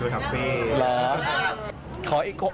มันน่าแสดงแบบว่า